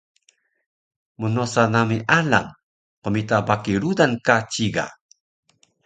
Mnosa nami alang qmita baki rudan ka ciga